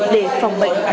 để phòng bệnh